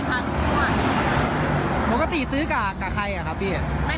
ซื้อบ่อยค่ะทุกวันปกติซื้อกักกับใครอ่ะครับพี่